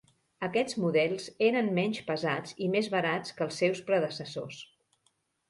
Aquests models eren menys pesats i més barats que els seus predecessors.